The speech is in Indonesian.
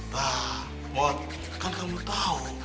nah mor kan kamu tau